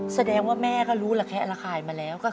แสดงว่าแม่ก็รู้ระแคะระคายมาแล้ว